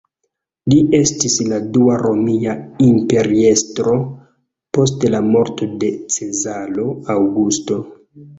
Li estis la dua romia imperiestro post la morto de Cezaro Aŭgusto.